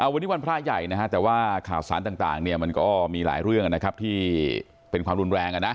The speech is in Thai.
วันนี้วันพระใหญ่แต่ว่าข่าวสารต่างมันก็มีหลายเรื่องที่เป็นความรุนแรง